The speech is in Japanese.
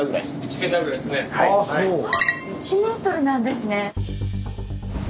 １ｍなんですね。